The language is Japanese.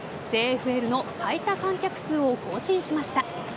ＪＦＬの最多観客数を更新しました。